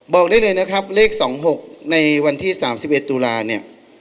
บอกได้เลยนะครับเลขสองหกในวันที่สามสิบเอ็ดตุลาเนี่ย